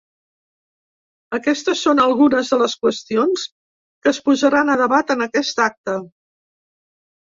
Aquestes són algunes de les qüestions que es posaran a debat en aquest acte.